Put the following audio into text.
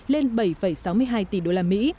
lên bảy sáu mươi hai tỷ đô la mỹ